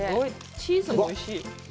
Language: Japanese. チーズがおいしい。